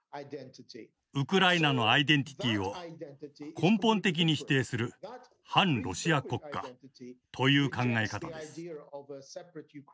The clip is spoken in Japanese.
ウクライナのアイデンティティーを根本的に否定する「汎ロシア国家」という考え方です。